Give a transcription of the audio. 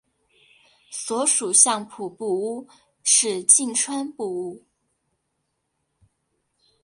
所属相扑部屋是境川部屋。